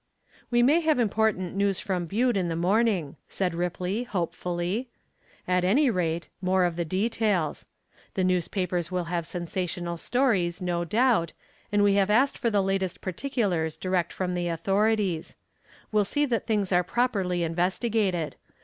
"We may have important news from Butte in the morning," said Ripley, hopefully; "at any rate, more of the details. The newspapers will have sensational stories no doubt, and we have asked for the latest particulars direct from the authorities. We'll see that things are properly investigated.